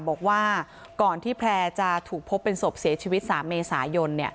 บอกว่าก่อนที่แพร่จะถูกพบเป็นศพเสียชีวิต๓เมษายน